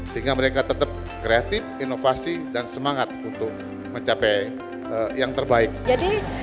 sehingga mereka tetap kreatif inovasi dan semangat untuk mencapai yang terbaik